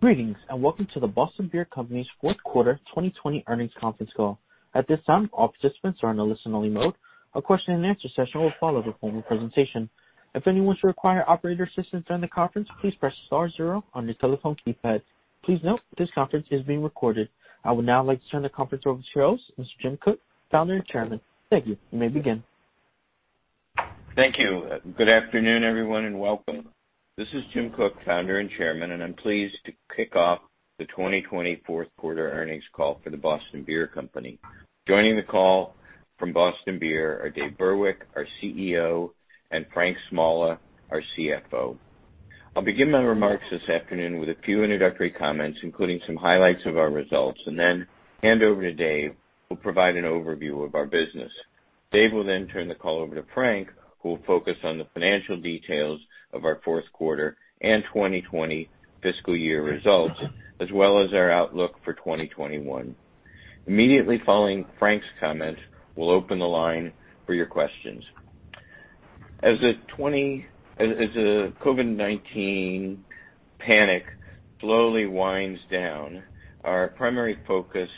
Greetings and welcome to the Boston Beer Company's Fourth Quarter 2020 Earnings Conference Call. At this time, all participants are in a listen-only mode. A question-and-answer session will follow the form of presentation. If anyone should require operator assistance during the conference, please press star zero on your telephone keypad. Please note, this conference is being recorded. I would now like to turn the conference over to host, Mr. Jim Koch, founder and chairman. Thank you. You may begin. Thank you. Good afternoon, everyone, and welcome. This is Jim Koch, founder and chairman, and I'm pleased to kick off the 2020 Fourth Quarter Earnings Call for the Boston Beer Company. Joining the call from Boston Beer are Dave Burwick, our CEO, and Frank Smalla, our CFO. I'll begin my remarks this afternoon with a few introductory comments, including some highlights of our results, and then hand over to Dave, who will provide an overview of our business. Dave will then turn the call over to Frank, who will focus on the financial details of our fourth quarter and 2020 fiscal year results, as well as our outlook for 2021. Immediately following Frank's comments, we'll open the line for your questions. As the COVID-19 panic slowly winds down, our primary focus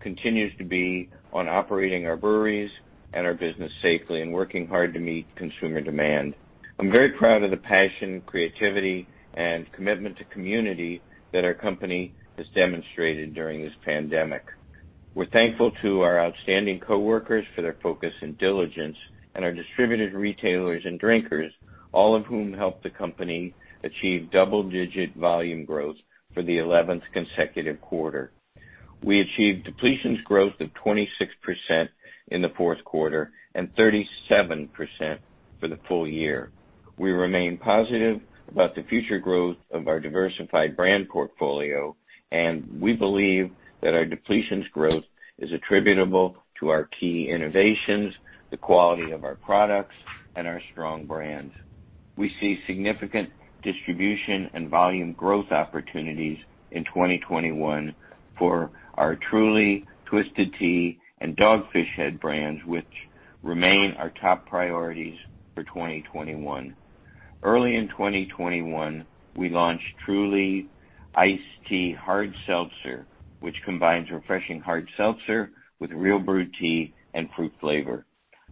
continues to be on operating our breweries and our business safely and working hard to meet consumer demand. I'm very proud of the passion, creativity, and commitment to community that our company has demonstrated during this pandemic. We're thankful to our outstanding coworkers for their focus and diligence and our distributed retailers and drinkers, all of whom helped the company achieve double-digit volume growth for the 11th consecutive quarter. We achieved depletion growth of 26% in the fourth quarter and 37% for the full year. We remain positive about the future growth of our diversified brand portfolio, and we believe that our depletion growth is attributable to our key innovations, the quality of our products, and our strong brand. We see significant distribution and volume growth opportunities in 2021 for our Truly, Twisted Tea, and Dogfish Head brands, which remain our top priorities for 2021. Early in 2021, we launched Truly Iced Tea Hard Seltzer, which combines refreshing hard seltzer with real brewed tea and fruit flavor.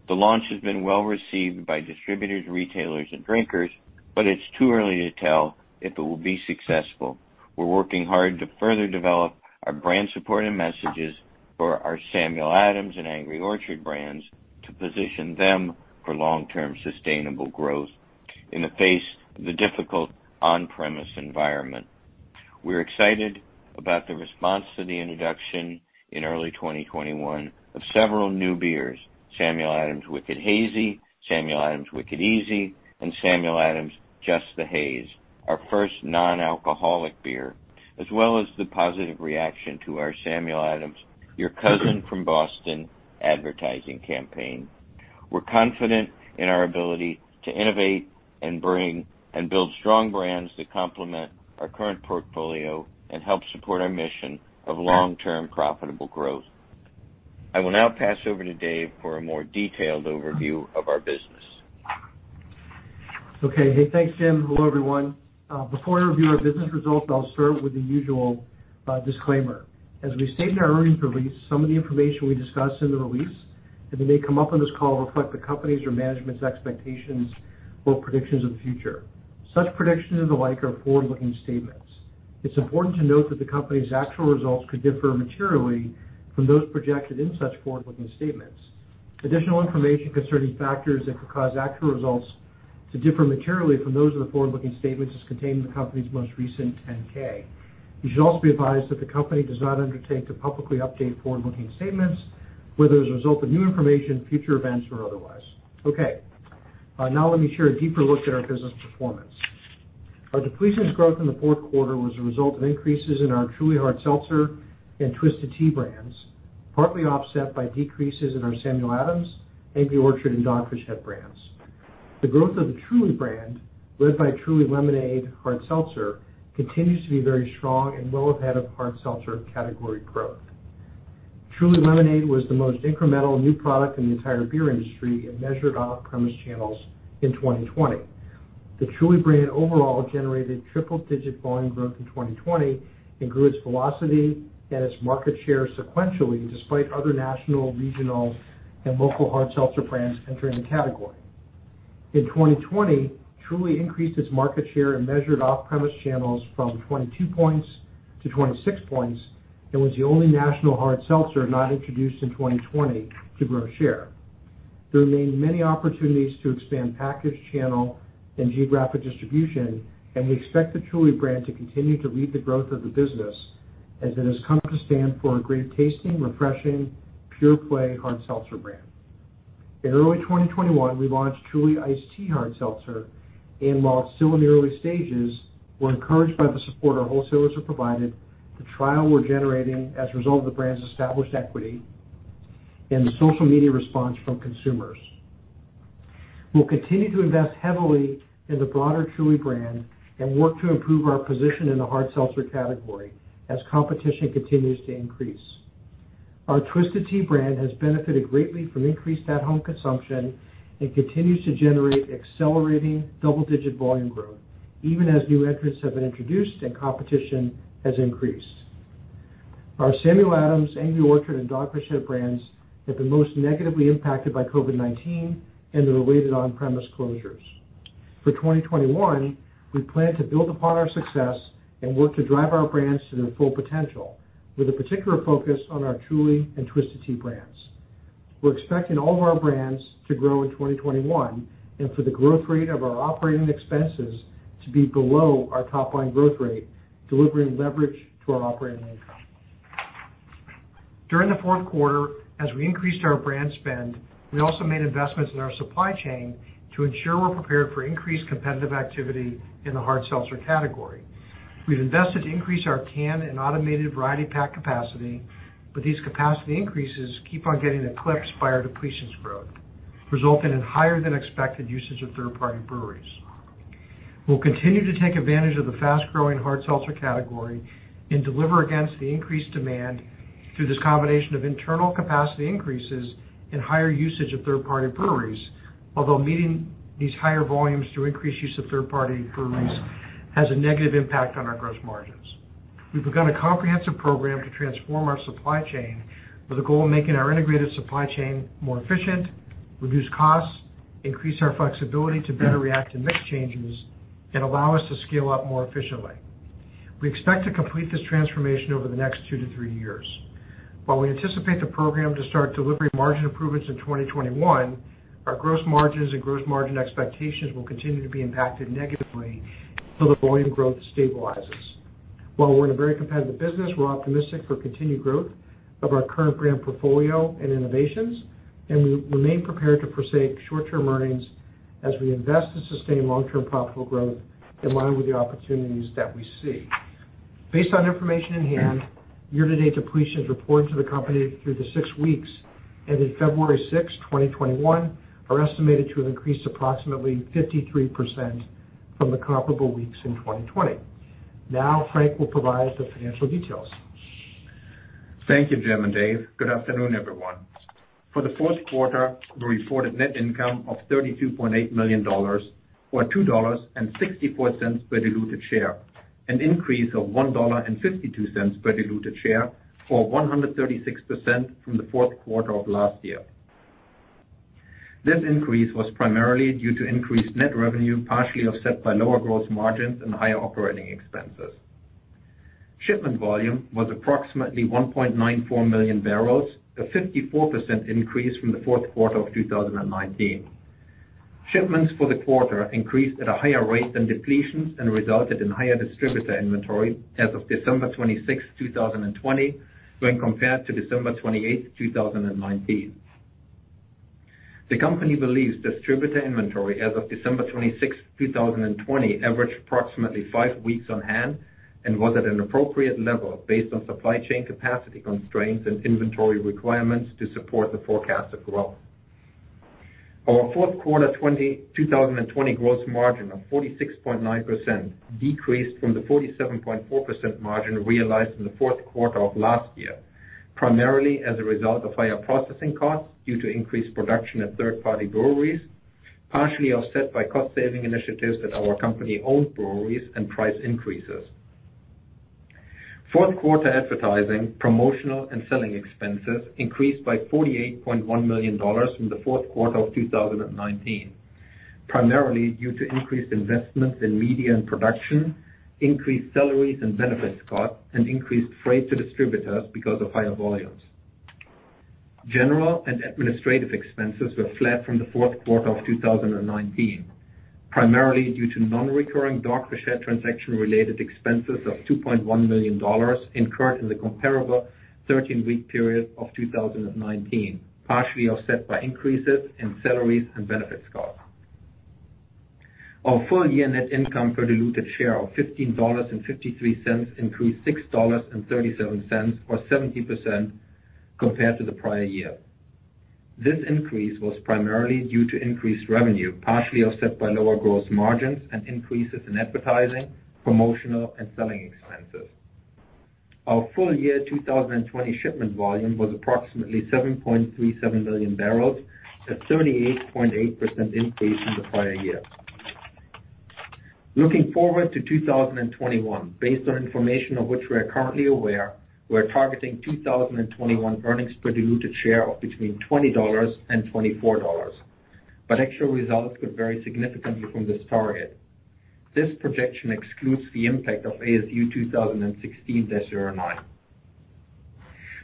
The launch has been well received by distributors, retailers, and drinkers, but it's too early to tell if it will be successful. We're working hard to further develop our brand support and messages for our Samuel Adams and Angry Orchard brands to position them for long-term sustainable growth in the face of the difficult on-premise environment. We're excited about the response to the introduction in early 2021 of several new beers: Samuel Adams Wicked Hazy, Samuel Adams Wicked Easy, and Samuel Adams Just the Haze, our first non-alcoholic beer, as well as the positive reaction to our Samuel Adams, Your Cousin From Boston, advertising campaign. We're confident in our ability to innovate and build strong brands that complement our current portfolio and help support our mission of long-term profitable growth. I will now pass over to Dave for a more detailed overview of our business. Okay. Hey, thanks, Jim. Hello, everyone. Before I review our business results, I'll start with the usual disclaimer. As we state in our earnings release, some of the information we discuss in the release and that may come up on this call reflect the company's or management's expectations or predictions of the future. Such predictions and the like are forward-looking statements. It's important to note that the company's actual results could differ materially from those projected in such forward-looking statements. Additional information concerning factors that could cause actual results to differ materially from those of the forward-looking statements is contained in the company's most recent 10-K. You should also be advised that the company does not undertake to publicly update forward-looking statements, whether as a result of new information, future events, or otherwise. Okay. Now let me share a deeper look at our business performance. Our depletion growth in the fourth quarter was a result of increases in our Truly Hard Seltzer and Twisted Tea brands, partly offset by decreases in our Samuel Adams, Angry Orchard, and Dogfish Head brands. The growth of the Truly brand, led by Truly Lemonade Hard Seltzer, continues to be very strong and well ahead of Hard Seltzer category growth. Truly Lemonade was the most incremental new product in the entire beer industry and measured on-premise channels in 2020. The Truly brand overall generated triple-digit volume growth in 2020 and grew its velocity and its market share sequentially, despite other national, regional, and local Hard Seltzer brands entering the category. In 2020, Truly increased its market share and measured off-premise channels from 22 points to 26 points and was the only national Hard Seltzer not introduced in 2020 to grow share. There remain many opportunities to expand package channel and geographic distribution, and we expect the Truly brand to continue to lead the growth of the business as it has come to stand for a great tasting, refreshing, pure-play Hard Seltzer brand. In early 2021, we launched Truly Iced Tea Hard Seltzer, and while still in the early stages, we're encouraged by the support our wholesalers have provided, the trial we're generating as a result of the brand's established equity and the social media response from consumers. We'll continue to invest heavily in the broader Truly brand and work to improve our position in the Hard Seltzer category as competition continues to increase. Our Twisted Tea brand has benefited greatly from increased at-home consumption and continues to generate accelerating double-digit volume growth, even as new entrants have been introduced and competition has increased. Our Samuel Adams, Angry Orchard, and Dogfish Head brands have been most negatively impacted by COVID-19 and the related on-premise closures. For 2021, we plan to build upon our success and work to drive our brands to their full potential, with a particular focus on our Truly and Twisted Tea brands. We're expecting all of our brands to grow in 2021 and for the growth rate of our operating expenses to be below our top-line growth rate, delivering leverage to our operating income. During the fourth quarter, as we increased our brand spend, we also made investments in our supply chain to ensure we're prepared for increased competitive activity in the Hard Seltzer category. We've invested to increase our can and automated variety pack capacity, but these capacity increases keep on getting eclipsed by our depletion growth, resulting in higher-than-expected usage of third-party breweries. We'll continue to take advantage of the fast-growing Hard Seltzer category and deliver against the increased demand through this combination of internal capacity increases and higher usage of third-party breweries, although meeting these higher volumes through increased use of third-party breweries has a negative impact on our gross margins. We've begun a comprehensive program to transform our supply chain with a goal of making our integrated supply chain more efficient, reduce costs, increase our flexibility to better react to mixed changes, and allow us to scale up more efficiently. We expect to complete this transformation over the next two to three years. While we anticipate the program to start delivering margin improvements in 2021, our gross margins and gross margin expectations will continue to be impacted negatively until the volume growth stabilizes. While we're in a very competitive business, we're optimistic for continued growth of our current brand portfolio and innovations, and we remain prepared to foresee short-term earnings as we invest to sustain long-term profitable growth in line with the opportunities that we see. Based on information in hand, year-to-date depletions reported to the company through the six weeks ending February 6, 2021, are estimated to have increased approximately 53% from the comparable weeks in 2020. Now, Frank will provide the financial details. Thank you, Jim and Dave. Good afternoon, everyone. For the fourth quarter, we reported net income of $32.8 million, or $2.64 per diluted share, an increase of $1.52 per diluted share, or 136% from the fourth quarter of last year. This increase was primarily due to increased net revenue, partially offset by lower gross margins and higher operating expenses. Shipment volume was approximately 1.94 million barrels, a 54% increase from the fourth quarter of 2019. Shipments for the quarter increased at a higher rate than depletions and resulted in higher distributor inventory as of December 26, 2020, when compared to December 28, 2019. The company believes distributor inventory as of December 26, 2020, averaged approximately five weeks on hand and was at an appropriate level based on supply chain capacity constraints and inventory requirements to support the forecast of growth. Our fourth quarter 2020 gross margin of 46.9% decreased from the 47.4% margin realized in the fourth quarter of last year, primarily as a result of higher processing costs due to increased production at third-party breweries, partially offset by cost-saving initiatives at our company-owned breweries and price increases. Fourth quarter advertising, promotional, and selling expenses increased by $48.1 million from the fourth quarter of 2019, primarily due to increased investments in media and production, increased salaries and benefits costs, and increased freight to distributors because of higher volumes. General and administrative expenses were flat from the fourth quarter of 2019, primarily due to non-recurring Dogfish Head transaction-related expenses of $2.1 million incurred in the comparable 13-week period of 2019, partially offset by increases in salaries and benefits costs. Our full-year net income per diluted share of $15.53 increased $6.37, or 70%, compared to the prior year. This increase was primarily due to increased revenue, partially offset by lower gross margins and increases in advertising, promotional, and selling expenses. Our full-year 2020 shipment volume was approximately 7.37 million barrels, a 38.8% increase from the prior year. Looking forward to 2021, based on information of which we are currently aware, we are targeting 2021 earnings per diluted share of between $20-$24, but actual results could vary significantly from this target. This projection excludes the impact of ASU 2016-09.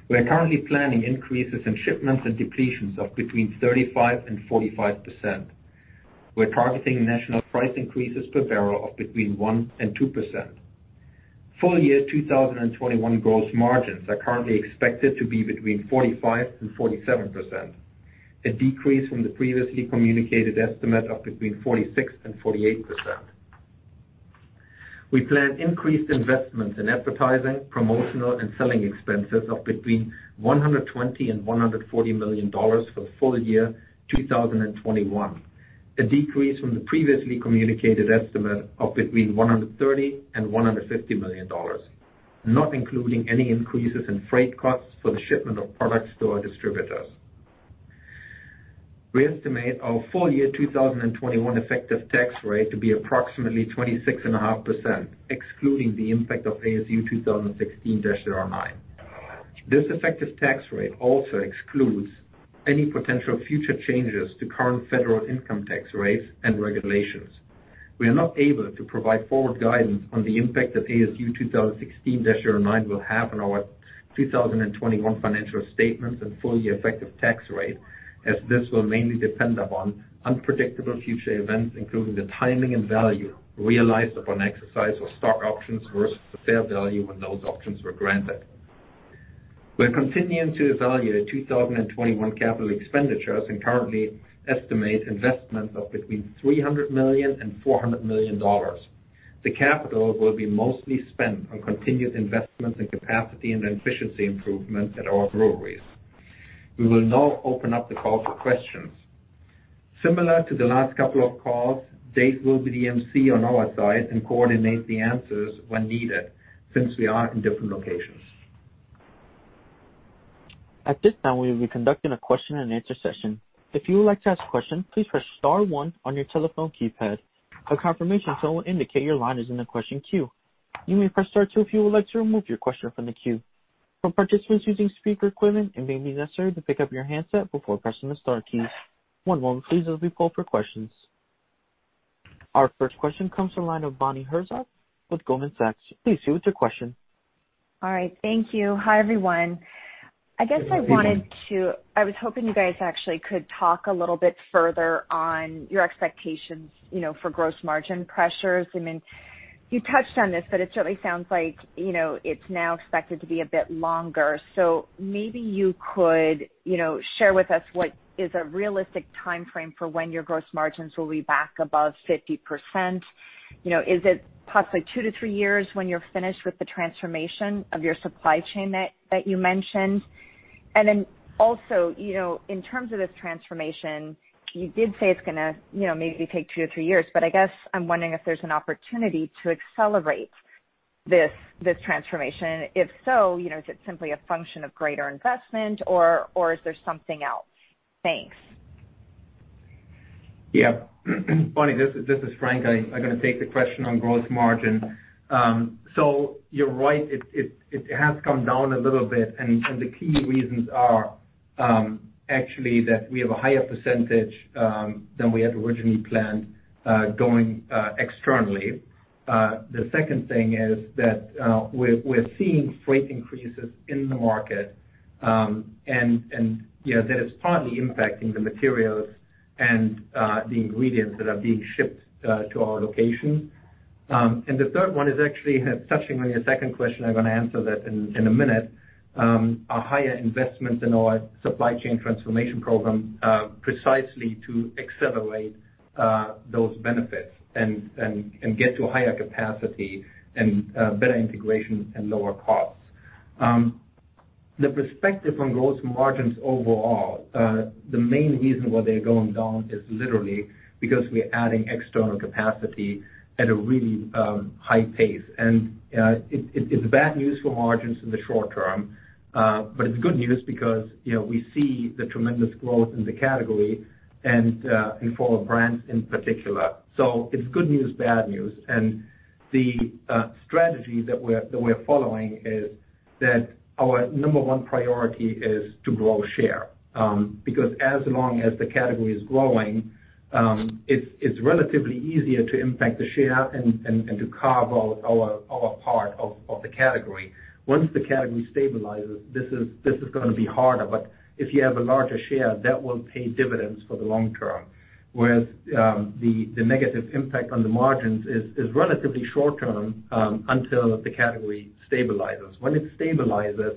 We are currently planning increases in shipments and depletions of between 35%-45%. We're targeting national price increases per barrel of between one%-two%. Full-year 2021 gross margins are currently expected to be between 45%-47%, a decrease from the previously communicated estimate of between 46%-48%. We plan increased investments in advertising, promotional, and selling expenses of between $120 and $140 million for the full-year 2021, a decrease from the previously communicated estimate of between $130 and $150 million, not including any increases in freight costs for the shipment of products to our distributors. We estimate our full-year 2021 effective tax rate to be approximately 26.5%, excluding the impact of ASU 2016-09. This effective tax rate also excludes any potential future changes to current federal income tax rates and regulations. We are not able to provide forward guidance on the impact that ASU 2016-09 will have on our 2021 financial statements and full-year effective tax rate, as this will mainly depend upon unpredictable future events, including the timing and value realized upon exercise of stock options versus the fair value when those options were granted. We're continuing to evaluate 2021 capital expenditures and currently estimate investments of between $300 million and $400 million. The capital will be mostly spent on continued investments in capacity and efficiency improvement at our breweries. We will now open up the call for questions. Similar to the last couple of calls, Dave will be the emcee on our side and coordinate the answers when needed since we are in different locations. At this time, we will be conducting a question-and-answer session. If you would like to ask a question, please press star one on your telephone keypad. A confirmation tone will indicate your line is in the question queue. You may press star two if you would like to remove your question from the queue. For participants using speaker equipment, it may be necessary to pick up your handset before pressing the star keys. One moment, please, as we pull up your questions. Our first question comes from the line of Bonnie Herzog with Goldman Sachs. Please state your question. All right. Thank you. Hi, everyone. I guess I wanted to—I was hoping you guys actually could talk a little bit further on your expectations for gross margin pressures. I mean, you touched on this, but it certainly sounds like it's now expected to be a bit longer. So maybe you could share with us what is a realistic timeframe for when your gross margins will be back above 50%. Is it possibly two to three years when you're finished with the transformation of your supply chain that you mentioned? And then also, in terms of this transformation, you did say it's going to maybe take two to three years, but I guess I'm wondering if there's an opportunity to accelerate this transformation. If so, is it simply a function of greater investment, or is there something else? Thanks. Yeah. Bonnie, this is Frank. I'm going to take the question on gross margin. So you're right. It has come down a little bit, and the key reasons are actually that we have a higher percentage than we had originally planned going externally. The second thing is that we're seeing freight increases in the market, and that is partly impacting the materials and the ingredients that are being shipped to our locations. And the third one is actually touching on your second question. I'm going to answer that in a minute. Our higher investments in our supply chain transformation program precisely to accelerate those benefits and get to a higher capacity and better integration and lower costs. The perspective on gross margins overall, the main reason why they're going down is literally because we're adding external capacity at a really high pace. And it's bad news for margins in the short term, but it's good news because we see the tremendous growth in the category and for brands in particular. So it's good news, bad news. And the strategy that we're following is that our number one priority is to grow share because as long as the category is growing, it's relatively easier to impact the share and to carve out our part of the category. Once the category stabilizes, this is going to be harder, but if you have a larger share, that will pay dividends for the long term, whereas the negative impact on the margins is relatively short-term until the category stabilizes. When it stabilizes,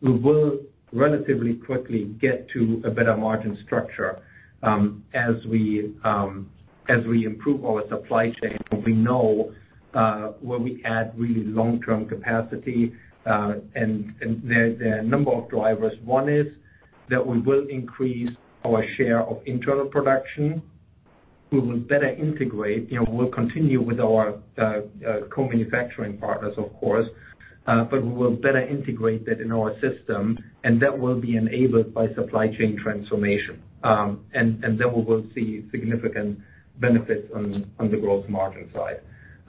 we will relatively quickly get to a better margin structure as we improve our supply chain. We know where we add really long-term capacity, and there are a number of drivers. One is that we will increase our share of internal production. We will better integrate. We'll continue with our co-manufacturing partners, of course, but we will better integrate that in our system, and that will be enabled by supply chain transformation, and then we will see significant benefits on the gross margin side.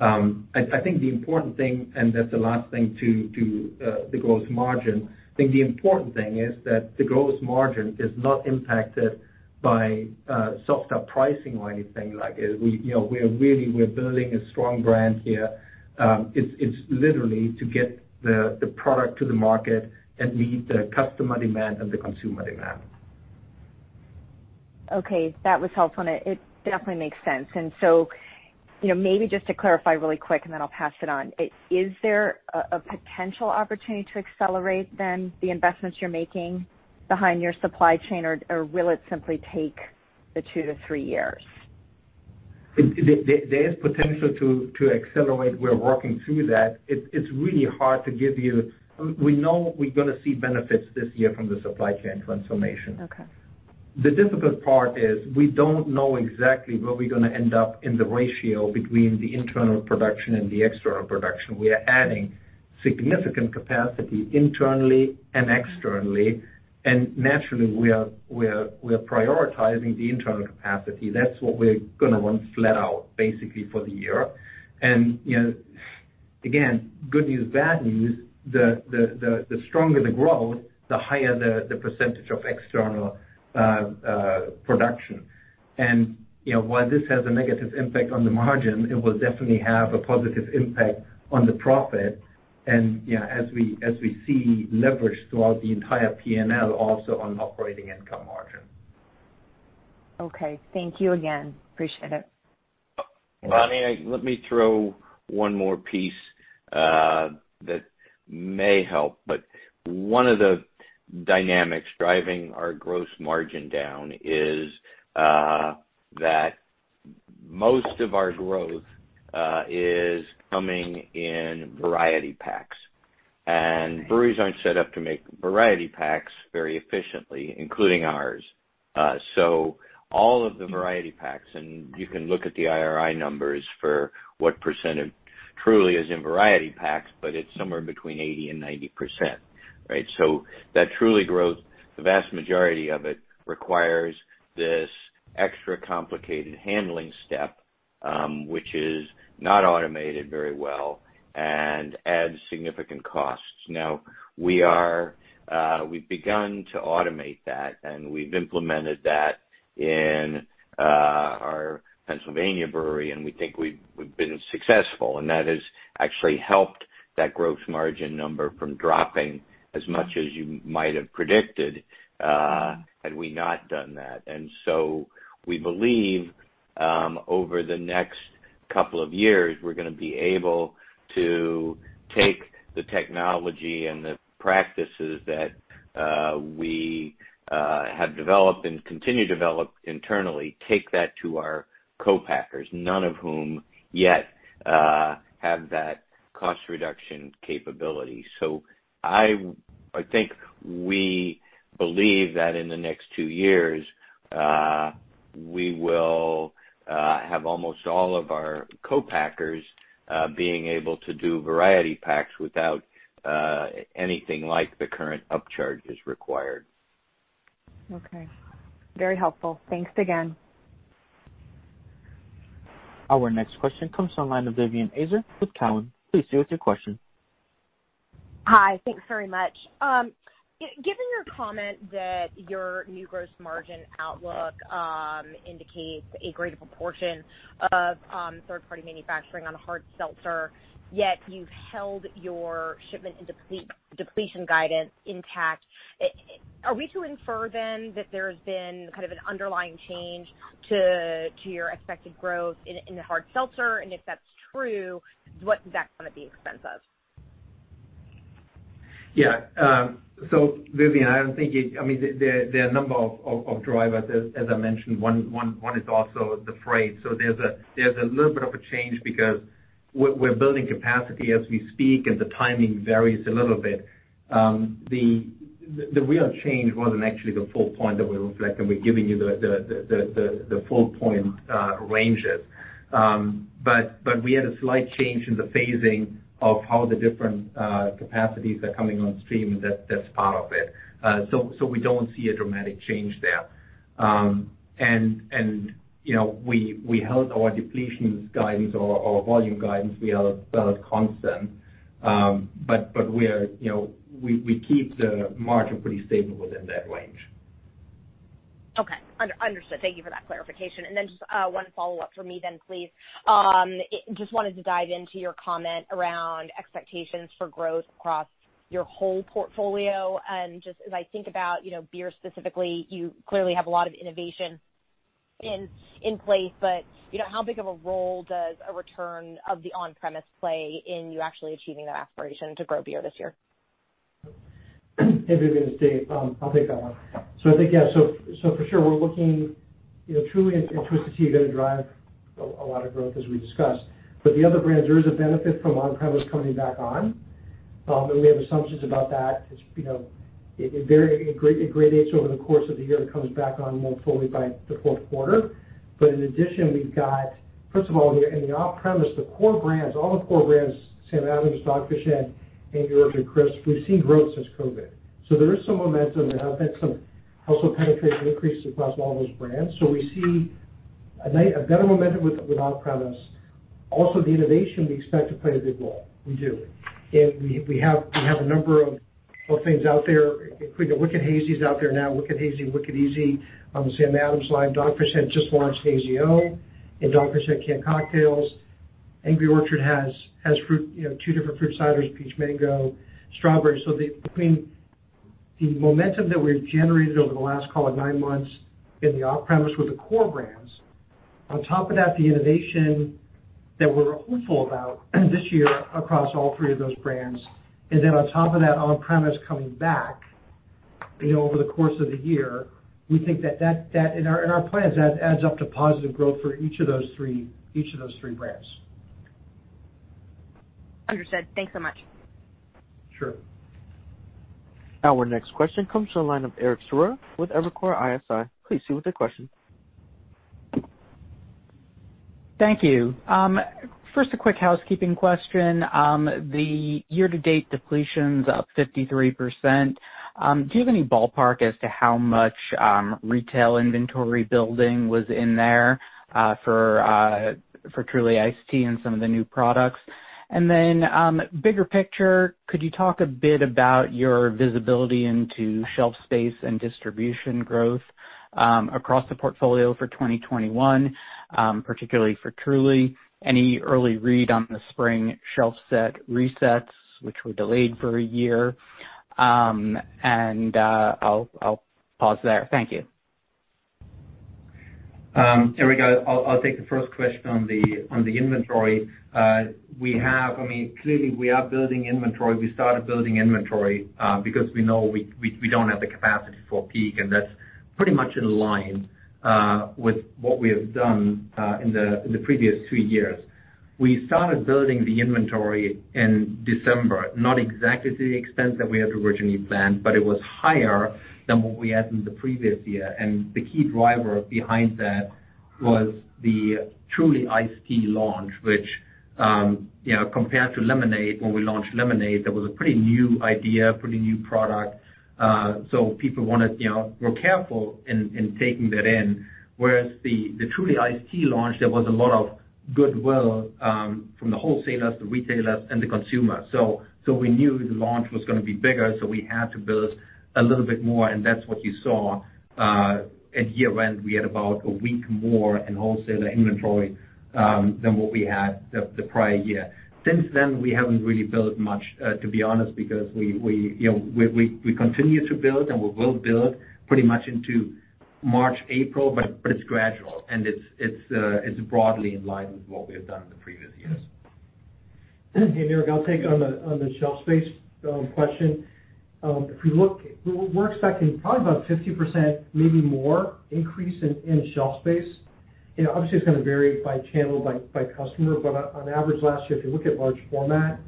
I think the important thing, and that's the last thing to the gross margin, I think the important thing is that the gross margin is not impacted by seltzer pricing or anything like it. We're really building a strong brand here. It's literally to get the product to the market and meet the customer demand and the consumer demand. Okay. That was helpful, and it definitely makes sense. And so maybe just to clarify really quick, and then I'll pass it on, is there a potential opportunity to accelerate then the investments you're making behind your supply chain, or will it simply take the two-to-three years? There is potential to accelerate. We're working through that. It's really hard to give you. We know we're going to see benefits this year from the supply chain transformation. The difficult part is we don't know exactly where we're going to end up in the ratio between the internal production and the external production. We are adding significant capacity internally and externally, and naturally, we are prioritizing the internal capacity. That's what we're going to want flat out basically for the year. And again, good news, bad news, the stronger the growth, the higher the percentage of external production. And while this has a negative impact on the margin, it will definitely have a positive impact on the profit and, as we see, leverage throughout the entire P&L, also on operating income margin. Okay. Thank you again. Appreciate it. Bonnie, let me throw one more piece that may help. But one of the dynamics driving our gross margin down is that most of our growth is coming in variety packs, and breweries aren't set up to make variety packs very efficiently, including ours. So all of the variety packs (and you can look at the IRI numbers for what percentage truly is in variety packs) but it's somewhere between 80% and 90%, right? So that truly grows the vast majority of it requires this extra complicated handling step, which is not automated very well and adds significant costs. Now, we've begun to automate that, and we've implemented that in our Pennsylvania brewery, and we think we've been successful, and that has actually helped that gross margin number from dropping as much as you might have predicted had we not done that. We believe over the next couple of years, we're going to be able to take the technology and the practices that we have developed and continue to develop internally, take that to our co-packers, none of whom yet have that cost-reduction capability. I think we believe that in the next two years, we will have almost all of our co-packers being able to do variety packs without anything like the current upcharge is required. Okay. Very helpful. Thanks again. Our next question comes from line of Vivian Azer with Cowen. Please state your question. Hi. Thanks very much. Given your comment that your new gross margin outlook indicates a greater proportion of third-party manufacturing on hard seltzer, yet you've held your shipment and depletion guidance intact, are we to infer then that there has been kind of an underlying change to your expected growth in the hard seltzer? And if that's true, what does that come at the expense of? Yeah. So Vivian, I don't think you—I mean, there are a number of drivers, as I mentioned. One is also the freight. So there's a little bit of a change because we're building capacity as we speak, and the timing varies a little bit. The real change wasn't actually the full point that we're reflecting. We're giving you the full point ranges, but we had a slight change in the phasing of how the different capacities are coming on stream, and that's part of it. So we don't see a dramatic change there. And we held our depletion guidance or volume guidance. We held constant, but we keep the margin pretty stable within that range. Okay. Understood. Thank you for that clarification. And then just one follow-up for me then, please. Just wanted to dive into your comment around expectations for growth across your whole portfolio. And just as I think about beer specifically, you clearly have a lot of innovation in place, but how big of a role does a return of the on-premise play in you actually achieving that aspiration to grow beer this year? Everybody's set. I'll take that one. I think, yeah. For sure, we're looking at Truly to see if it's going to drive a lot of growth, as we discussed. The other brands, there is a benefit from on-premise coming back on, and we have assumptions about that. It graduates over the course of the year and comes back on more fully by the fourth quarter. In addition, we've got, first of all, in the off-premise, the core brands, all the core brands, Sam Adams, Dogfish Head, Angry Orchard, and Twisted Tea, we've seen growth since COVID. There is some momentum. There have been some ACV penetration increases across all those brands. We see a better momentum with on-premise. Also, the innovation we expect to play a big role. We do. And we have a number of things out there, including Wicked Hazy's out there now, Wicked Hazy and Wicked Easy on the Sam Adams line. Dogfish Head just launched Hazy-O! and Dogfish Head Canned Cocktails. Angry Orchard has two different fruit ciders, peach, mango, strawberry. So between the momentum that we've generated over the last, call it, nine months in the off-premise with the core brands, on top of that, the innovation that we're hopeful about this year across all three of those brands, and then on top of that, on-premise coming back over the course of the year, we think that in our plans, that adds up to positive growth for each of those three brands. Understood. Thanks so much. Sure. Our next question comes from the line of Eric Serotta with Evercore ISI. Please state your question. Thank you. First, a quick housekeeping question. The year-to-date depletions up 53%. Do you have any ballpark as to how much retail inventory building was in there for Truly Iced Tea and some of the new products? And then bigger picture, could you talk a bit about your visibility into shelf space and distribution growth across the portfolio for 2021, particularly for Truly? Any early read on the spring shelf set resets, which were delayed for a year? And I'll pause there. Thank you. There we go. I'll take the first question on the inventory. I mean, clearly, we are building inventory. We started building inventory because we know we don't have the capacity for peak, and that's pretty much in line with what we have done in the previous two years. We started building the inventory in December, not exactly to the extent that we had originally planned, but it was higher than what we had in the previous year, and the key driver behind that was the Truly Iced Tea launch, which compared to Lemonade, when we launched Lemonade, that was a pretty new idea, pretty new product. So people were careful in taking that in. Whereas the Truly Iced Tea launch, there was a lot of goodwill from the wholesalers, the retailers, and the consumers. So we knew the launch was going to be bigger, so we had to build a little bit more, and that's what you saw. At year-end, we had about a week more in wholesaler inventory than what we had the prior year. Since then, we haven't really built much, to be honest, because we continue to build, and we will build pretty much into March, April, but it's gradual, and it's broadly in line with what we have done in the previous years. Eric, I'll take on the shelf space question. If we look, we're expecting probably about 50%, maybe more, increase in shelf space. Obviously, it's going to vary by channel, by customer, but on average, last year, if you look at large format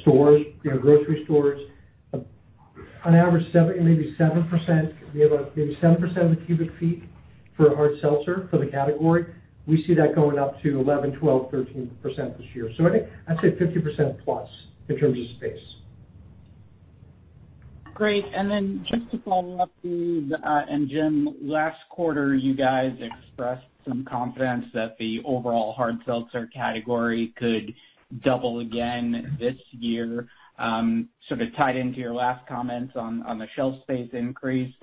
stores, grocery stores, on average, maybe 7%, maybe 7% of the cubic feet for hard seltzer for the category. We see that going up to 11%, 12%, 13% this year, so I'd say 50% plus in terms of space. Great. And then just to follow up, and Jim, last quarter, you guys expressed some confidence that the overall hard seltzer category could double again this year, sort of tied into your last comments on the shelf space increase.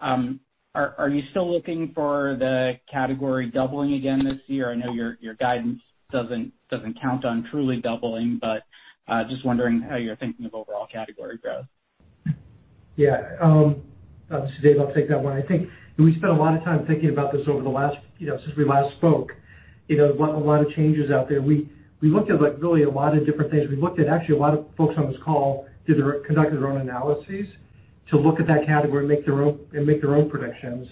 Are you still looking for the category doubling again this year? I know your guidance doesn't count on Truly doubling, but just wondering how you're thinking of overall category growth. Yeah. This is Dave. I'll take that one. I think we spent a lot of time thinking about this over the last since we last spoke, a lot of changes out there. We looked at really a lot of different things. We looked at actually a lot of folks on this call conducted their own analyses to look at that category and make their own predictions.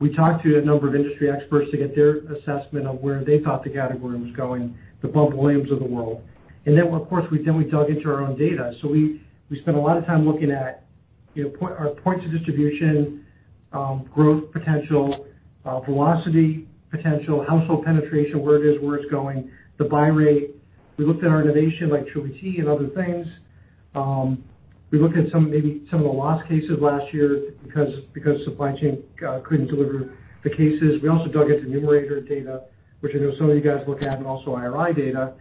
We talked to a number of industry experts to get their assessment of where they thought the category was going, the behemoths of the world. And then, of course, we dug into our own data. So we spent a lot of time looking at our points of distribution, growth potential, velocity potential, household penetration, where it is, where it's going, the buy rate. We looked at our innovation like Truly Tea and other things. We looked at maybe some of the loss cases last year because supply chain couldn't deliver the cases. We also dug into Numerator data, which I know some of you guys look at, and also IRI data,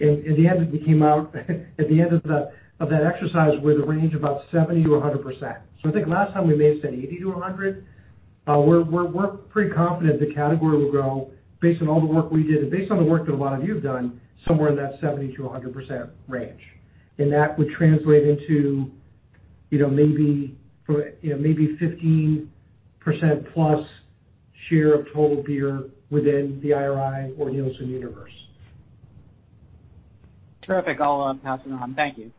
and in the end, we came out at the end of that exercise with a range of about 70%-100%. So I think last time we may have said 80%-100%. We're pretty confident the category will go, based on all the work we did and based on the work that a lot of you have done, somewhere in that 70%-100% range, and that would translate into maybe 15% plus share of total beer within the IRI or Nielsen Universe. Terrific. I'll pass it on. Thank you.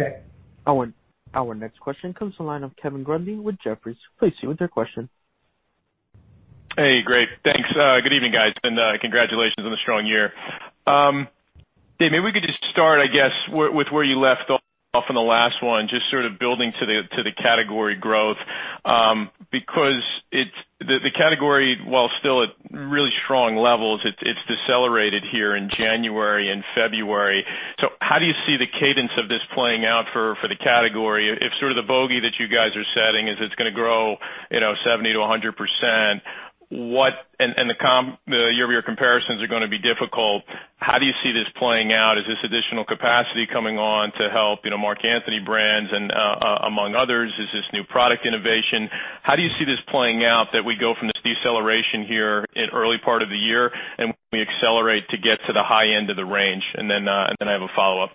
Okay. Our next question comes from line of Kevin Grundy with Jefferies. Please state your question. Hey, great. Thanks. Good evening, guys, and congratulations on the strong year. Dave, maybe we could just start, I guess, with where you left off in the last one, just sort of building to the category growth because the category, while still at really strong levels, it's decelerated here in January and February, so how do you see the cadence of this playing out for the category? If sort of the bogey that you guys are setting is it's going to grow 70%-100%, and your comparisons are going to be difficult, how do you see this playing out? Is this additional capacity coming on to help Mark Anthony Brands and among others? Is this new product innovation? How do you see this playing out that we go from this deceleration here in early part of the year and we accelerate to get to the high end of the range? And then I have a follow-up.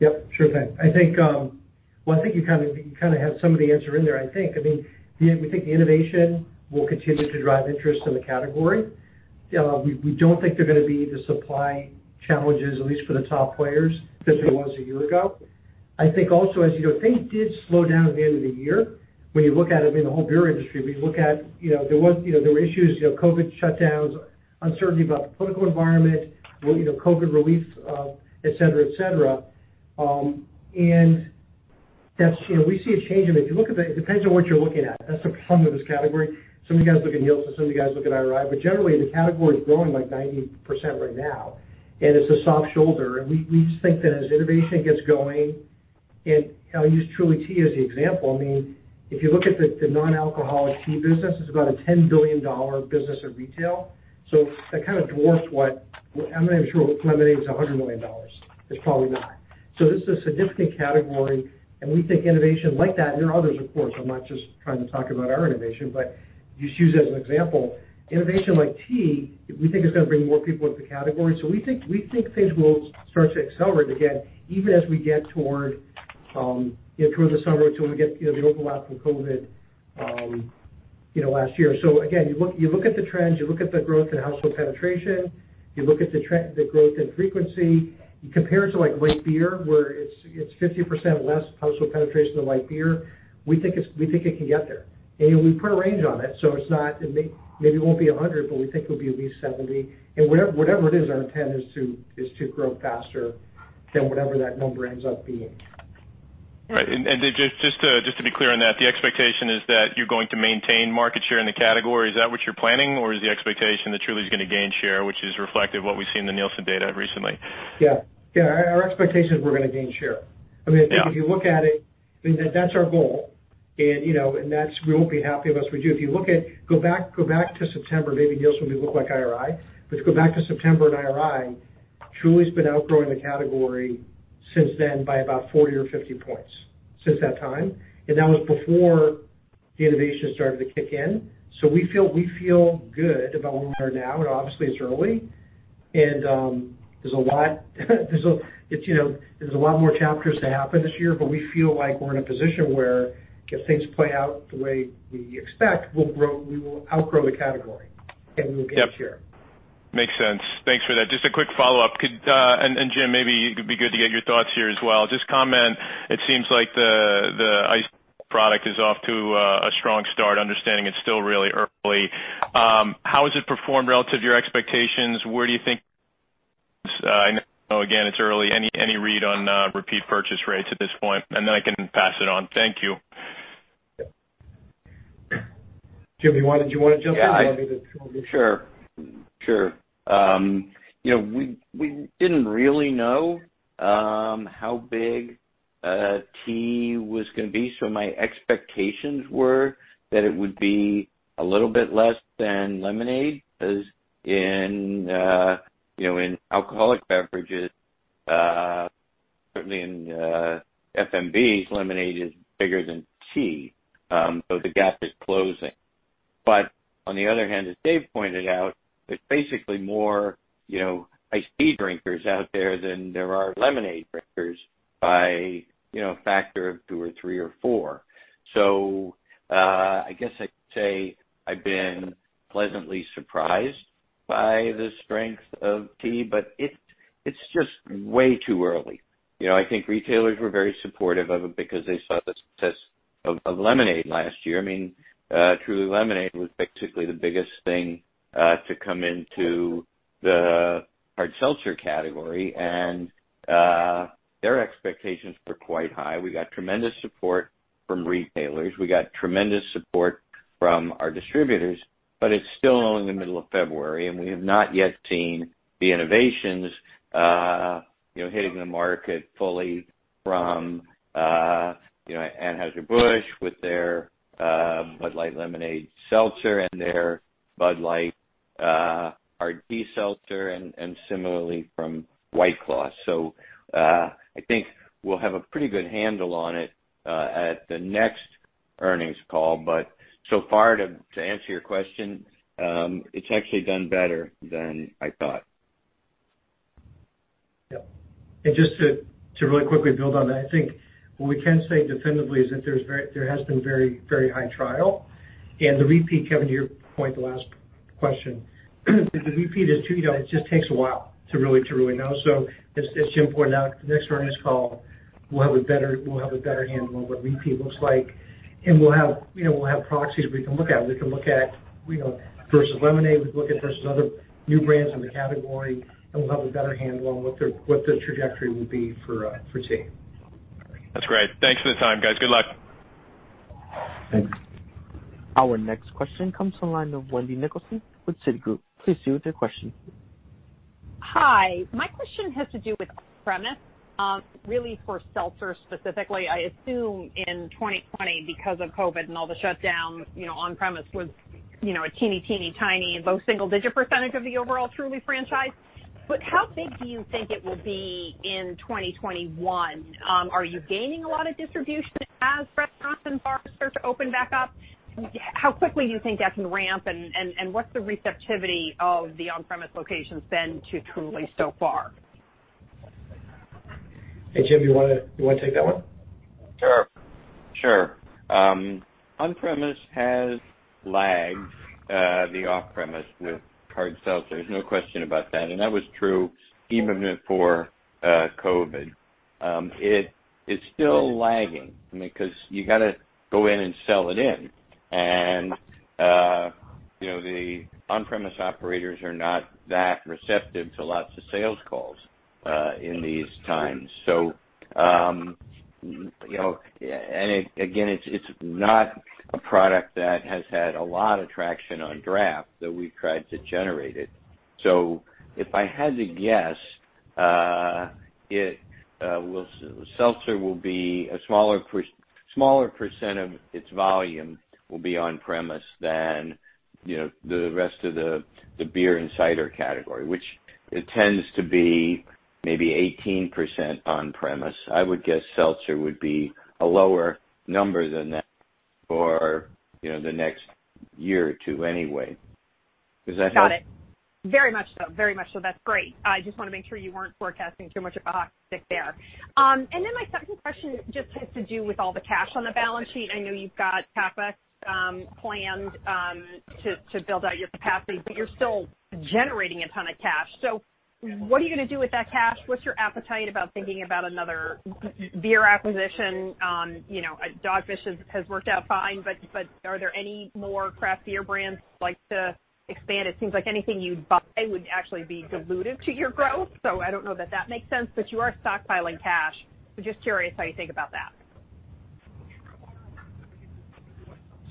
Yep. Sure thing. I think, well, I think you kind of have some of the answer in there, I think. I mean, we think the innovation will continue to drive interest in the category. We don't think there are going to be the supply challenges, at least for the top players, that there was a year ago. I think also, as you know, things did slow down at the end of the year. When you look at, I mean, the whole beer industry, we look at there were issues, COVID shutdowns, uncertainty about the political environment, COVID relief, etc., etc., and we see a change. I mean, if you look at it, it depends on what you're looking at. That's the problem with this category. Some of you guys look at Nielsen, some of you guys look at IRI, but generally, the category is growing like 90% right now, and it's a soft shoulder. And we just think that as innovation gets going, and I'll use Truly Tea as the example. I mean, if you look at the non-alcoholic tea business, it's about a $10 billion business in retail. So that kind of dwarfs what I'm not even sure what lemonade's $100 million. It's probably not. So this is a significant category, and we think innovation like that, and there are others, of course. I'm not just trying to talk about our innovation, but just use it as an example. Innovation like tea, we think it's going to bring more people into the category. So we think things will start to accelerate again, even as we get toward the summer, until we get the overlap from COVID last year. So again, you look at the trends, you look at the growth in household penetration, you look at the growth in frequency, you compare it to light beer, where it's 50% less household penetration than light beer, we think it can get there. And we put a range on it, so it's not maybe it won't be 100%, but we think it'll be at least 70%. And whatever it is, our intent is to grow faster than whatever that number ends up being. Right. And just to be clear on that, the expectation is that you're going to maintain market share in the category. Is that what you're planning, or is the expectation that Truly is going to gain share, which is reflective of what we've seen in the Nielsen data recently? Yeah. Yeah. Our expectation is we're going to gain share. I mean, if you look at it, I mean, that's our goal, and we won't be happy unless we do. If you look back to September, maybe Nielsen would be looking like IRI, but if you go back to September and IRI, Truly's been outgrowing the category since then by about 40 or 50 points since that time, and that was before the innovation started to kick in. So we feel good about where we are now, and obviously, it's early, and there's a lot more chapters to happen this year, but we feel like we're in a position where if things play out the way we expect, we will outgrow the category, and we will gain share. Yeah. Makes sense. Thanks for that. Just a quick follow-up, and Jim, maybe it would be good to get your thoughts here as well. Just comment. It seems like the iced product is off to a strong start, understanding it's still really early. How has it performed relative to your expectations? Where do you think? I know, again, it's early. Any read on repeat purchase rates at this point? And then I can pass it on. Thank you. Jim, do you want to jump in? I don't need to. Sure. Sure. We didn't really know how big tea was going to be, so my expectations were that it would be a little bit less than lemonade because in alcoholic beverages, certainly in FMBs, lemonade is bigger than tea, so the gap is closing. But on the other hand, as Dave pointed out, there's basically more iced tea drinkers out there than there are lemonade drinkers by a factor of two or three or four. So I guess I'd say I've been pleasantly surprised by the strength of tea, but it's just way too early. I think retailers were very supportive of it because they saw the success of lemonade last year. I mean, Truly Lemonade was basically the biggest thing to come into the hard seltzer category, and their expectations were quite high. We got tremendous support from retailers. We got tremendous support from our distributors, but it's still only the middle of February, and we have not yet seen the innovations hitting the market fully from Anheuser-Busch with their Bud Light Seltzer Lemonade and their Bud Light Hard Tea Seltzer, and similarly from White Claw. So I think we'll have a pretty good handle on it at the next earnings call, but so far, to answer your question, it's actually done better than I thought. Yep. And just to really quickly build on that, I think what we can say definitively is that there has been very, very high trial. And the repeat, Kevin, to your point, the last question, the repeat just takes a while to really know. So as Jim pointed out, the next earnings call, we'll have a better handle on what repeat looks like, and we'll have proxies we can look at. We can look at versus lemonade, we can look at versus other new brands in the category, and we'll have a better handle on what the trajectory will be for tea. That's great. Thanks for the time, guys. Good luck. Thanks. Our next question comes from the line of Wendy Nicholson with Citigroup. Please state your question. Hi. My question has to do with on-premise, really for seltzer specifically. I assume in 2020, because of COVID and all the shutdowns, on-premise was a teeny, teeny, tiny low single-digit percentage of the overall Truly franchise. But how big do you think it will be in 2021? Are you gaining a lot of distribution as restaurants and bars start to open back up? How quickly do you think that can ramp, and what's the receptivity of the on-premise locations been to Truly so far? Hey, Jim, you want to take that one? Sure. Sure. On-premise has lagged the off-premise with hard seltzer. There's no question about that. And that was true even before COVID. It's still lagging, I mean, because you got to go in and sell it in, and the on-premise operators are not that receptive to lots of sales calls in these times. And again, it's not a product that has had a lot of traction on draft that we've tried to generate it. So if I had to guess, seltzer will be a smaller percent of its volume will be on-premise than the rest of the beer and cider category, which it tends to be maybe 18% on-premise. I would guess seltzer would be a lower number than that for the next year or two anyway. Because I have. Got it. Very much so. Very much so. That's great. I just want to make sure you weren't forecasting too much of a hot streak there. And then my second question just has to do with all the cash on the balance sheet. I know you've got CapEx planned to build out your capacity, but you're still generating a ton of cash. So what are you going to do with that cash? What's your appetite about thinking about another beer acquisition? Dogfish has worked out fine, but are there any more craft beer brands you'd like to expand? It seems like anything you'd buy would actually be dilutive to your growth. So I don't know that that makes sense, but you are stockpiling cash. So just curious how you think about that.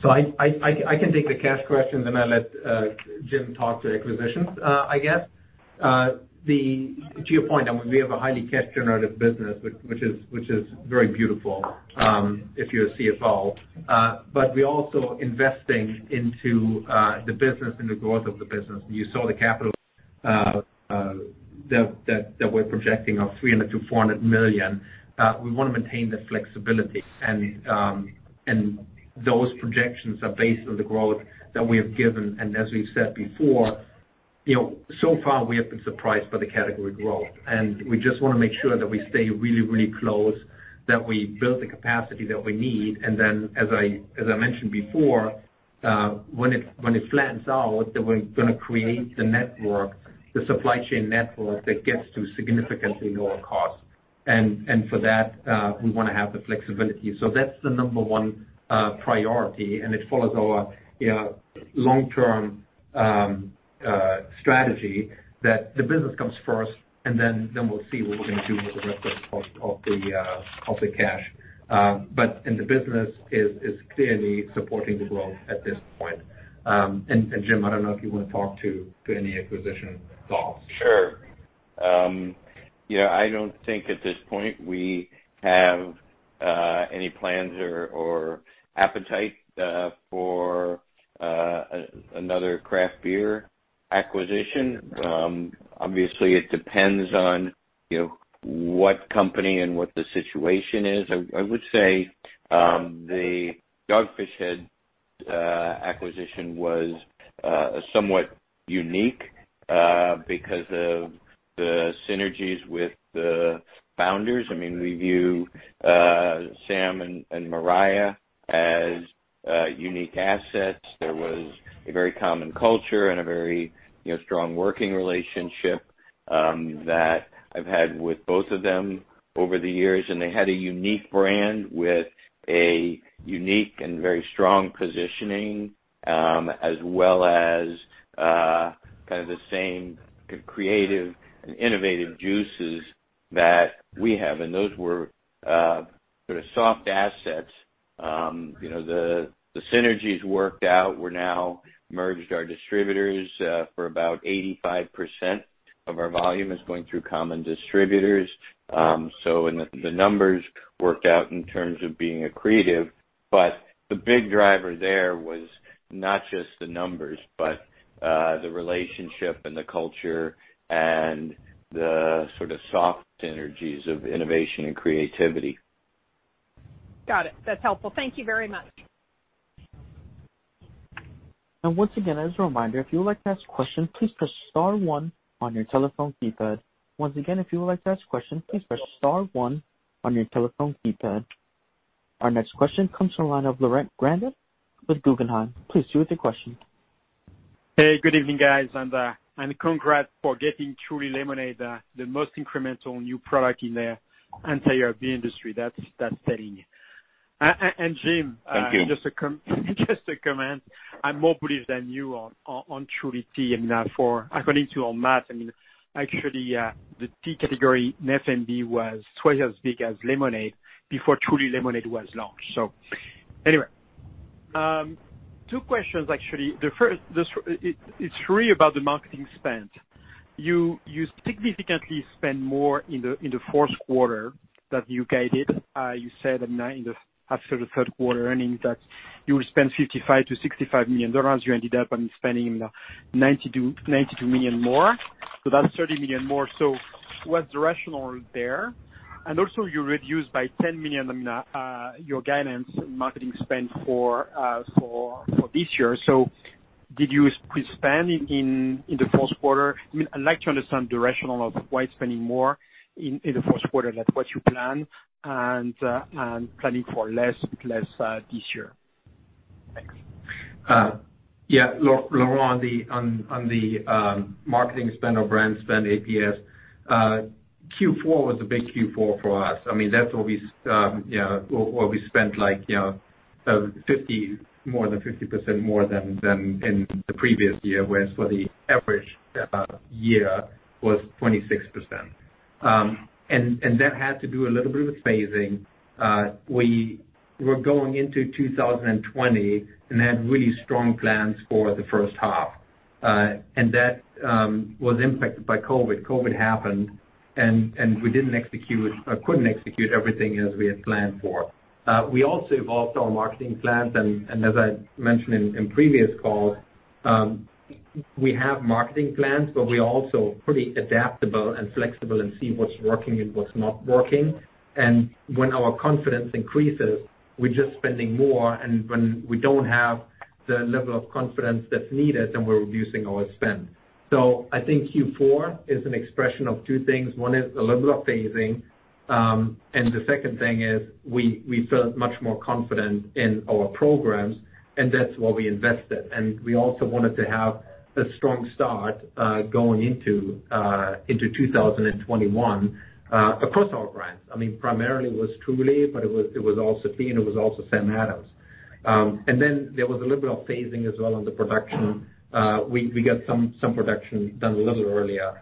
So I can take the cash question, then I'll let Jim talk to acquisitions, I guess. To your point, I mean, we have a highly cash-generative business, which is very beautiful if you're a CFO. But we're also investing into the business and the growth of the business. You saw the capital that we're projecting of $300 million-$400 million. We want to maintain that flexibility, and those projections are based on the growth that we have given. And as we've said before, so far, we have been surprised by the category growth, and we just want to make sure that we stay really, really close, that we build the capacity that we need. And then, as I mentioned before, when it flattens out, then we're going to create the network, the supply chain network that gets to significantly lower cost. And for that, we want to have the flexibility. So that's the number one priority, and it follows our long-term strategy that the business comes first, and then we'll see what we're going to do with the rest of the cash. But the business is clearly supporting the growth at this point. And Jim, I don't know if you want to talk to any acquisition thoughts. Sure. I don't think at this point we have any plans or appetite for another craft beer acquisition. Obviously, it depends on what company and what the situation is. I would say the Dogfish Head acquisition was somewhat unique because of the synergies with the founders. I mean, we view Sam and Mariah as unique assets. There was a very common culture and a very strong working relationship that I've had with both of them over the years, and they had a unique brand with a unique and very strong positioning, as well as kind of the same creative and innovative juices that we have. And those were sort of soft assets. The synergies worked out. We're now merged our distributors for about 85% of our volume is going through common distributors. The numbers worked out in terms of being accretive, but the big driver there was not just the numbers, but the relationship and the culture and the sort of soft synergies of innovation and creativity. Got it. That's helpful. Thank you very much. Once again, as a reminder, if you would like to ask a question, please press star one on your telephone keypad. Our next question comes from the line of Laurent Grandet with Guggenheim. Please go ahead with the question. Hey, good evening, guys. And congrats for getting Truly Lemonade, the most incremental new product in the entire beer industry. That's telling. And Jim. Thank you. Just a comment. I'm more bullish than you on Truly Tea. I mean, according to our math, I mean, actually, the tea category in FMB was twice as big as lemonade before Truly Lemonade was launched. So anyway, two questions, actually. The first is really about the marketing spend. You significantly spent more in the fourth quarter than you guided. You said after the third quarter earnings that you would spend $55 million-$65 million. You ended up, I mean, spending $92 million more. So that's $30 million more. So what's the rationale there? And also, you reduced by $10 million, I mean, your guidance marketing spend for this year. So did you spend in the fourth quarter? I mean, I'd like to understand the rationale of why spending more in the fourth quarter than what you planned and planning for less this year. Thanks. Yeah. Laurent, on the marketing spend or brand spend, APS, Q4 was a big Q4 for us. I mean, that's what we spent like more than 50% more than in the previous year, whereas for the average year was 26%. That had to do a little bit with phasing. We were going into 2020 and had really strong plans for the first half. That was impacted by COVID. COVID happened, and we couldn't execute everything as we had planned for. We also evolved our marketing plans. As I mentioned in previous calls, we have marketing plans, but we're also pretty adaptable and flexible and see what's working and what's not working. When our confidence increases, we're just spending more. When we don't have the level of confidence that's needed, then we're reducing our spend. I think Q4 is an expression of two things. One is a little bit of phasing, and the second thing is we felt much more confident in our programs, and that's why we invested, and we also wanted to have a strong start going into 2021 across our brands. I mean, primarily it was Truly, but it was also Tea, and it was also Sam Adams, and then there was a little bit of phasing as well on the production. We got some production done a little earlier,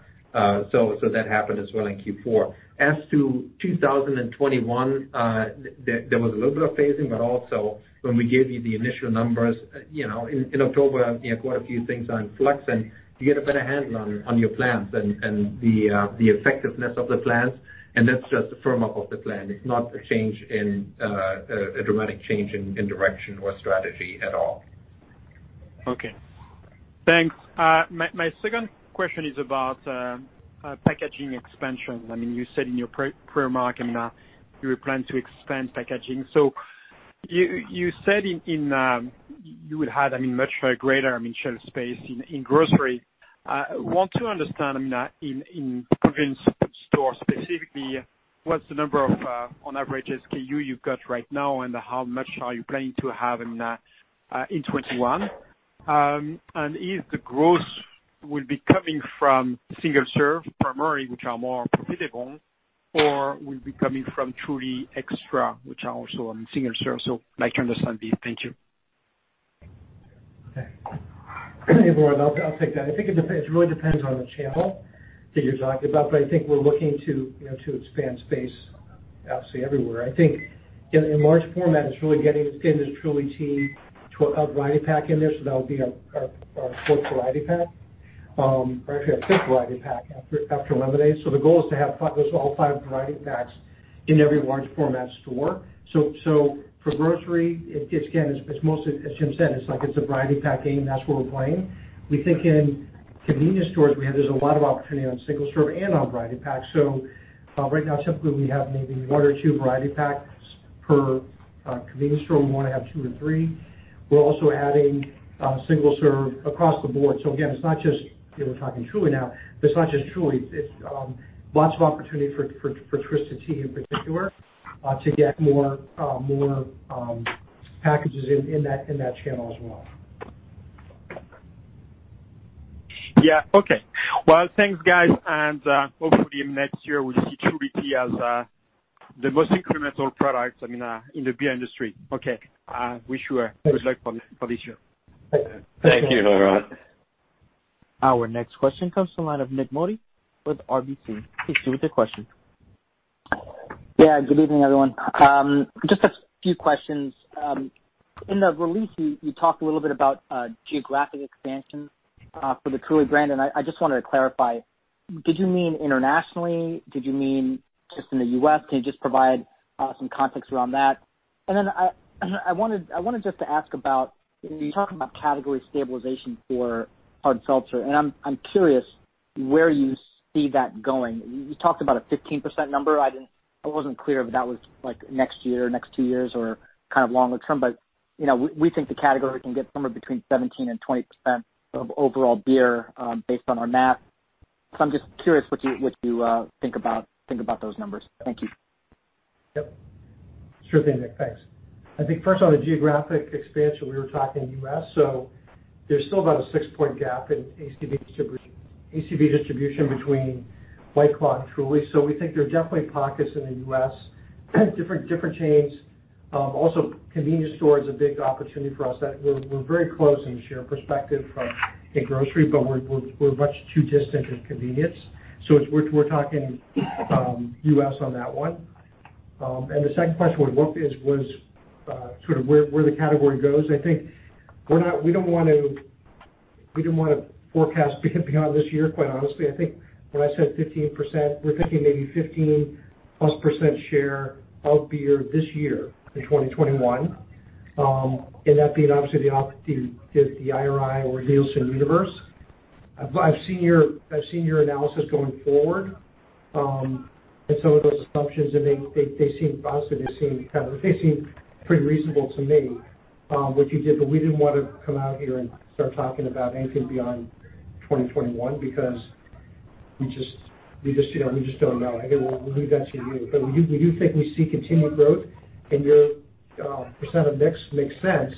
so that happened as well in Q4. As to 2021, there was a little bit of phasing, but also when we gave you the initial numbers in October, quite a few things are in flux, and you get a better handle on your plans and the effectiveness of the plans, and that's just a firm up of the plan. It's not a dramatic change in direction or strategy at all. Okay. Thanks. My second question is about packaging expansion. I mean, you said in your prepared remarks, I mean, you were planning to expand packaging. So you said you would have, I mean, much greater, I mean, shelf space in grocery. I want to understand, I mean, in convenience store specifically, what's the number of on average SKU you've got right now, and how much are you planning to have, I mean, in 2021? And is the growth will be coming from single serve primarily, which are more profitable, or will be coming from Truly Extra, which are also on single serve? So I'd like to understand these. Thank you. Okay. Hey, Laurent, I'll take that. I think it really depends on the channel that you're talking about, but I think we're looking to expand space, obviously, everywhere. I think in large format, it's really getting this Truly Tea variety pack in there, so that will be our fourth variety pack, or actually our fifth variety pack after lemonade, so the goal is to have those all five variety packs in every large format store, so for grocery, again, it's mostly, as Jim said, it's like it's a variety pack game. That's where we're playing. We think in convenience stores, there's a lot of opportunity on single serve and on variety packs, so right now, typically, we have maybe one or two variety packs per convenience store. We want to have two or three. We're also adding single serve across the board. So again, it's not just we're talking Truly now, but it's not just Truly. It's lots of opportunity for Twisted Tea in particular to get more packages in that channel as well. Yeah. Okay. Well, thanks, guys. And hopefully, in the next year, we'll see Truly Tea as the most incremental product, I mean, in the beer industry. Okay. Wish you good luck for this year. Thank you, Laurent. Our next question comes from the line of Nik Modi with RBC. Please proceed with the question. Yeah. Good evening, everyone. Just a few questions. In the release, you talked a little bit about geographic expansion for the Truly brand, and I just wanted to clarify. Did you mean internationally? Did you mean just in the U.S.? Can you just provide some context around that? And then I wanted just to ask about you talked about category stabilization for hard seltzer, and I'm curious where you see that going. You talked about a 15% number. I wasn't clear if that was next year or next two years or kind of longer term, but we think the category can get somewhere between 17% and 20% of overall beer based on our math. So I'm just curious what you think about those numbers. Thank you. Yep. Sure thing, Nik. Thanks. I think, first of all, the geographic expansion, we were talking U.S. So there's still about a six-point gap in ACV distribution between White Claw and Truly. So we think there are definitely pockets in the U.S., different chains. Also, convenience store is a big opportunity for us. We're very close in the share perspective from a grocery, but we're much too distant in convenience. So we're talking U.S. on that one, and the second question was sort of where the category goes. I think we don't want to forecast beyond this year, quite honestly. I think when I said 15%, we're thinking maybe 15-plus % share of beer this year in 2021, and that being obviously the IRI or Nielsen Universe. I've seen your analysis going forward, and some of those assumptions, and honestly, they seem kind of pretty reasonable to me, which you did, but we didn't want to come out here and start talking about anything beyond 2021 because we just don't know. I think we'll leave that to you. But we do think we see continued growth, and your percent of mix makes sense,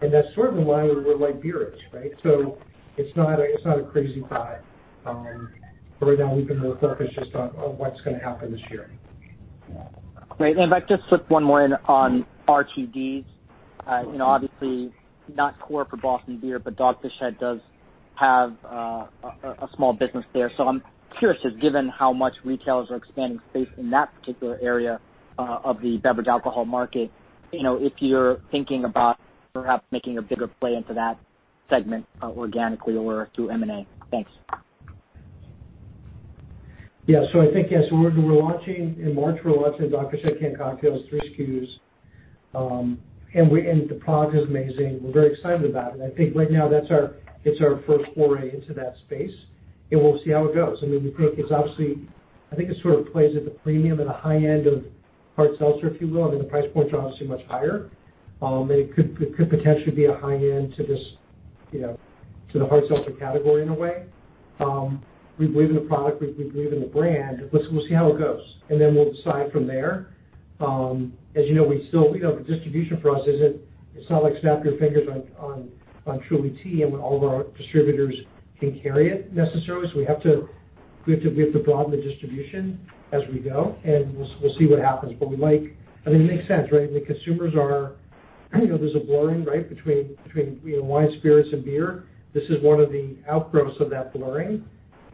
and that's sort of in line with where beer is, right? So it's not a crazy thought. But right now, we've been more focused just on what's going to happen this year. Right. And if I could just flip one more in on RTDs. Obviously, not core for Boston Beer, but Dogfish Head does have a small business there. So I'm curious, just given how much retailers are expanding space in that particular area of the beverage alcohol market, if you're thinking about perhaps making a bigger play into that segment organically or through M&A. Thanks. Yeah. So I think, yeah, so we're launching in March, we're launching Dogfish Head canned cocktails, three SKUs, and the product is amazing. We're very excited about it. I think right now, it's our first foray into that space, and we'll see how it goes. I mean, we think it's obviously I think it sort of plays at the premium and the high end of hard seltzer, if you will. I mean, the price points are obviously much higher, and it could potentially be a high end to the hard seltzer category in a way. We believe in the product. We believe in the brand. We'll see how it goes, and then we'll decide from there. As you know, the distribution for us isn't. It's not like snap your fingers on Truly Tea and all of our distributors can carry it necessarily. So we have to broaden the distribution as we go, and we'll see what happens. But I mean, it makes sense, right? I mean, consumers, there's a blurring, right, between wine, spirits and beer. This is one of the outgrowths of that blurring,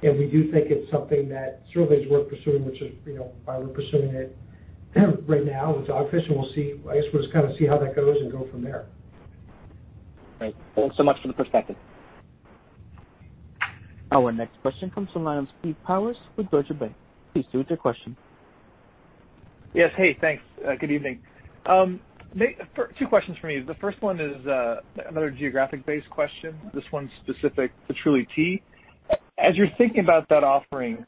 and we do think it's something that is worth pursuing, which is why we're pursuing it right now with Dogfish, and we'll see. I guess we'll just kind of see how that goes and go from there. Thanks so much for the perspective. Our next question comes from the line of Steve Powers with Deutsche Bank. Please proceed with your question. Yes. Hey, thanks. Good evening. Two questions for me. The first one is another geographic-based question. This one's specific to Truly Tea. As you're thinking about that offering,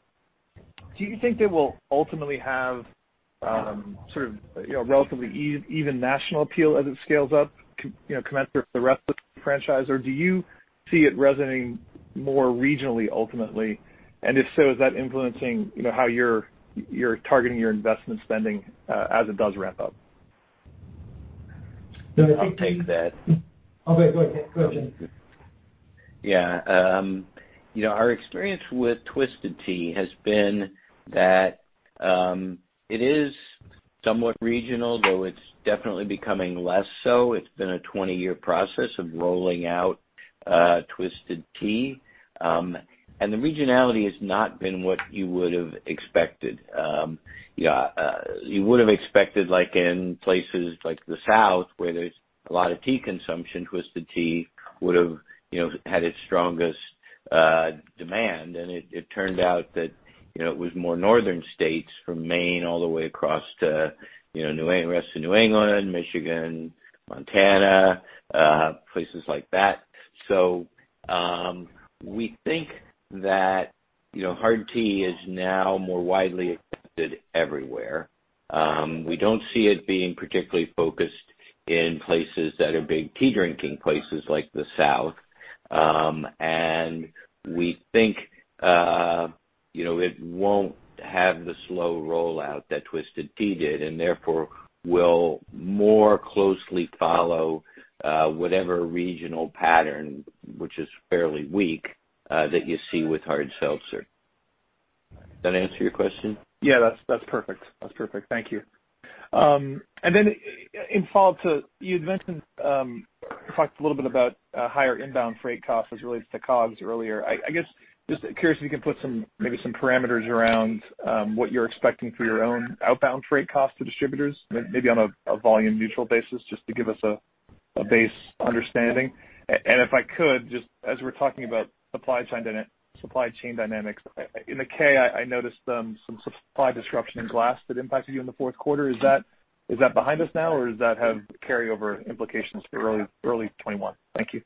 do you think it will ultimately have sort of a relatively even national appeal as it scales up, commensurate with the rest of the franchise, or do you see it resonating more regionally ultimately? And if so, is that influencing how you're targeting your investment spending as it does ramp up? No, I think that. Okay. Go ahead, Jim. Yeah. Our experience with Twisted Tea has been that it is somewhat regional, though it's definitely becoming less so. It's been a 20-year process of rolling out Twisted Tea, and the regionality has not been what you would have expected. You would have expected in places like the South, where there's a lot of tea consumption, Twisted Tea would have had its strongest demand, and it turned out that it was more northern states from Maine all the way across to the rest of New England, Michigan, Montana, places like that. So we think that hard tea is now more widely accepted everywhere. We don't see it being particularly focused in places that are big tea drinking places like the South, and we think it won't have the slow rollout that Twisted Tea did, and therefore, we'll more closely follow whatever regional pattern, which is fairly weak, that you see with hard seltzer. Does that answer your question? Yeah. That's perfect. That's perfect. Thank you. And then in follow-up to you had mentioned you talked a little bit about higher inbound freight costs as relates to COGS earlier. I guess just curious if you can put maybe some parameters around what you're expecting for your own outbound freight costs to distributors, maybe on a volume-neutral basis, just to give us a base understanding. And if I could, just as we're talking about supply chain dynamics, in the 10-K, I noticed some supply disruption in glass that impacted you in the fourth quarter. Is that behind us now, or does that have carryover implications for early 2021? Thank you.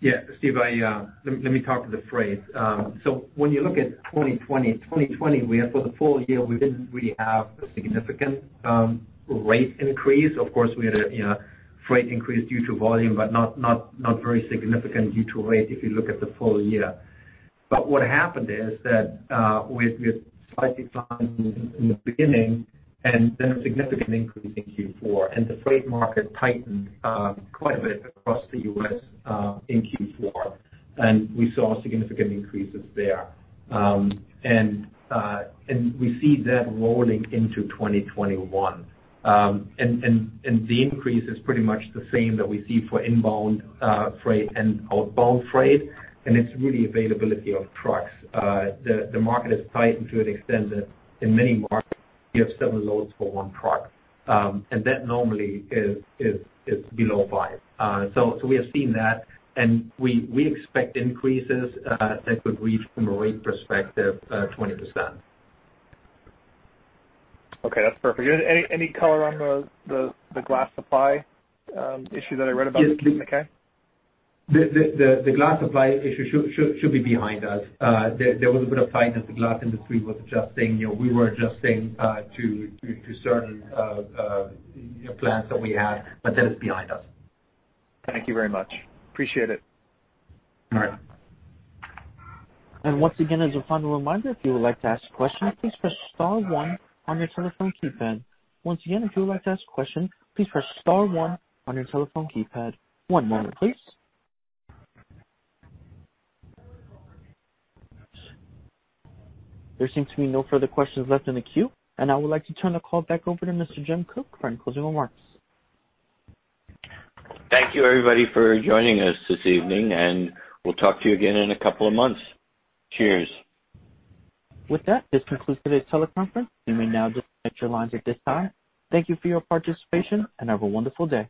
Yeah. Steve, let me talk to that. So, when you look at 2020, 2020, for the full year, we didn't really have a significant rate increase. Of course, we had a freight increase due to volume, but not very significant due to rate if you look at the full year, but what happened is that we had slight declines in the beginning and then a significant increase in Q4, and the freight market tightened quite a bit across the U.S. in Q4, and we saw significant increases there, and we see that rolling into 2021, and the increase is pretty much the same that we see for inbound freight and outbound freight, and it's really availability of trucks. The market has tightened to an extent that in many markets, you have seven loads for one truck, and that normally is below five. So we have seen that, and we expect increases that could reach, from a rate perspective, 20%. Okay. That's perfect. Any color on the glass supply issue that I read about in the K? The glass supply issue should be behind us. There was a bit of tightness. The glass industry was adjusting. We were adjusting to certain plans that we had, but that is behind us. Thank you very much. Appreciate it. All right. Once again, as a final reminder, if you would like to ask a question, please press star one on your telephone keypad. Once again, if you would like to ask a question, please press star one on your telephone keypad. One moment, please. There seems to be no further questions left in the queue, and I would like to turn the call back over to Mr. Jim Koch for closing remarks. Thank you, everybody, for joining us this evening, and we'll talk to you again in a couple of months. Cheers. With that, this concludes today's teleconference. You may now disconnect your lines at this time. Thank you for your participation, and have a wonderful day.